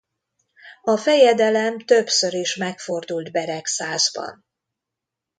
A fejedelem többször is megfordult Beregszászban.